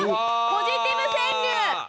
ポジティブ川柳！